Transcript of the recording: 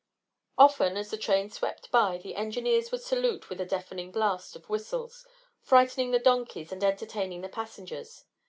Often, as the trains swept by, the engineers would salute with a deafening blast of whistles, frightening the donkeys and entertaining the passengers.